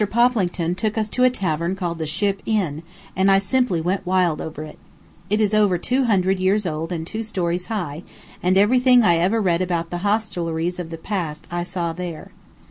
Poplington took us to a tavern called the Ship Inn, and I simply went wild over it. It is two hundred years old and two stories high, and everything I ever read about the hostelries of the past I saw there.